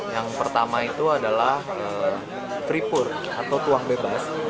yang pertama itu adalah free pour atau tuang bebas